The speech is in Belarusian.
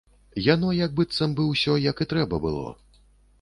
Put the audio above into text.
Яно як быццам бы ўсё, як і трэба, было.